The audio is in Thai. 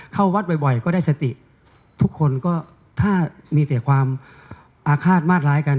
เข้าวัดบ่อยอาจจะได้สติทุกคนแต่ความอาคาดมาดร้ายกัน